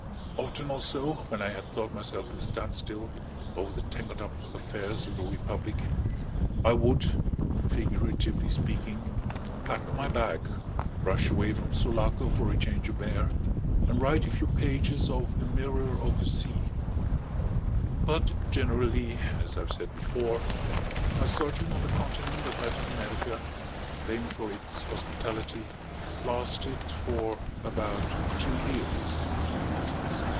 Often, also, when I had thought myself to a standstill over the tangled up affairs of the Republic, I would, figuratively speaking, pack my bag, rush away from Sulaco for a change of air and write a few pages of the "Mirror of the Sea." But generally, as I've said before, my sojourn on the Continent of Latin America, famed for its hospitality, lasted for about two years.